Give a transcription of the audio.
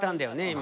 今。